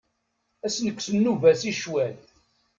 Ad s nekkes nnuba-s i ccwal.